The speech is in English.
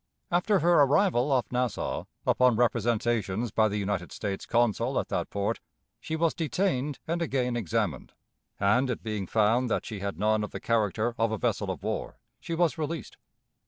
After her arrival off Nassau, upon representations by the United States consul at that port, she was detained and again examined, and, it being found that she had none of the character of a vessel of war, she was released.